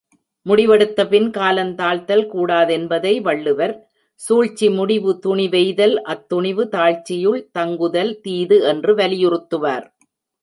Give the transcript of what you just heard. முடிவெடுத்தபின் காலந் தாழ்த்தல் கூடாதென்பதை வள்ளுவர், சூழ்ச்சி முடிவு துணிவெய்தல் அத்துணிவு தாழ்ச்சியுள் தங்குதல் தீது என்று வலியுறுத்துவார்.